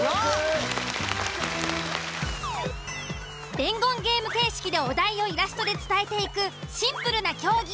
伝言ゲーム形式でお題をイラストで伝えていくシンプルな競技。